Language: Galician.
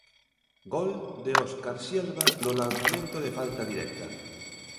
Gol de Óscar Sielva no lanzamento de falta directa.